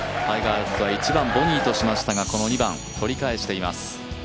タイガー・ウッズは１番、ボギーとしましたがこの２番、取り返しています。